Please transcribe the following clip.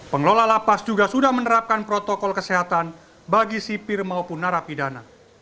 pengelola lapas juga sudah menerapkan protokol kesehatan bagi sipir maupun narapidana